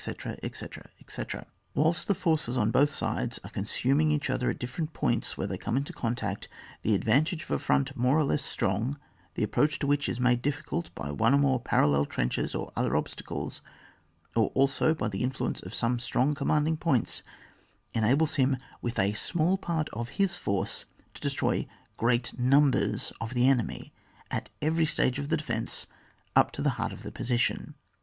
etc., etc. Whilst the forces on both sides are consuming each other at the different points where they come into contact, the advantage of a front more or less strong, the approach to which is made difficult by one or more parallel trenches or other obstacles, or also by the influence of some strong command ing points, enables him with a gmallpart of his farce to destroy ffreat numbers of the enemy at every stage of the defence up to the heart of the position.